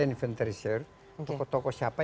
inventarisir tokoh tokoh siapa